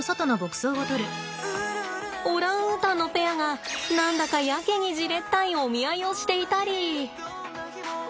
オランウータンのペアが何だかやけにじれったいお見合いをしていたり。